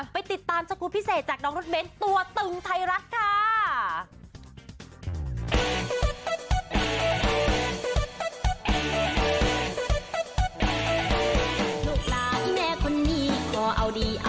ไปติดตามสกูลพิเศษจากน้องรถเบ้นตัวตึงไทยรัฐค่ะ